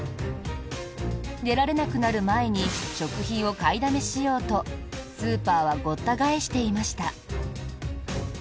出られなくなる前に食品を買いだめしようとスーパーはごった返していました。